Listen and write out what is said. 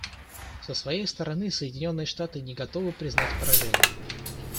Со своей стороны, Соединенные Штаты не готовы признать поражение.